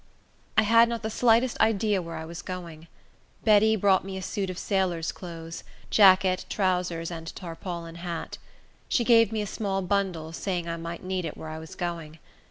I had not the slightest idea where I was going. Betty brought me a suit of sailor's clothes,—jacket, trowsers, and tarpaulin hat. She gave me a small bundle, saying I might need it where I was going.